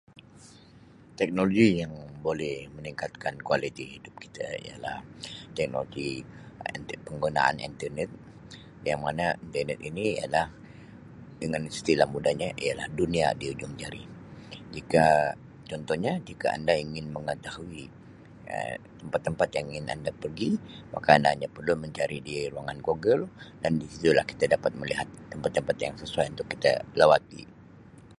"Teknologi yang boleh meningkatkan kualiti hidup kita ialah teknologi inter-penggunaan ""internet"" yang mana ""internet"" ini adalah dengan istilah mudahnya ialah dunia di hujung jari jika contohnya jika anda ingin mengetahui Um tempat-tempat yang ingin anda pergi maka anda hanya perlu mencari di ruangan ""Google"" dan di situlah kita dapat melihat tempat-tempat yang sesuai untuk kita lawati. "